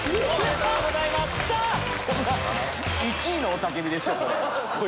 １位の雄たけびですよそれ。